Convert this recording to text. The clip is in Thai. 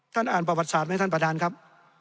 อ่านประวัติศาสตร์ไหมท่านประธานครับ